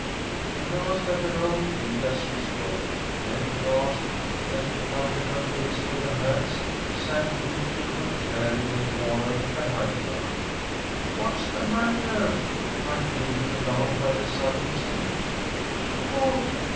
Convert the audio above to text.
She glanced at her own feet as she spoke, then gasped and, covering her face with her hands, sank limply into a chair in the corner behind her. "What's the matter?" cried Juliet, alarmed by the sudden change. "Look!